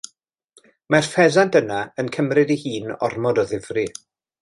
Mae'r ffesant yna yn cymryd ei hun ormod o ddifri.